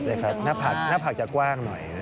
หน้าผักจะกว้างหน่อย